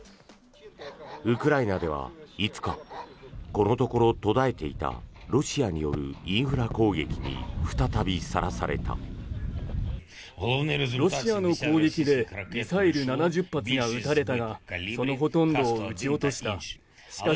ウクライナでは５日このところ途絶えていたロシアによるインフラ攻撃に再びさらされた。